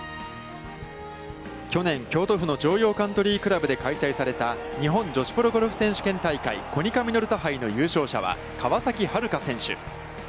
去年、京都府の城陽カントリー倶楽部で開催された日本女子プロゴルフ選手権大会コニカミノルタ杯の優勝者は、川崎春花選手。